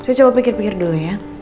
saya coba pikir pikir dulu ya